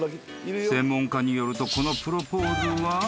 ［専門家によるとこのプロポーズは］